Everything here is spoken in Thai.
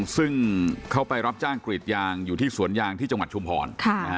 ซึ่งเขาไปรับจ้างกรีดยางอยู่ที่สวนยางที่จังหวัดชุมพร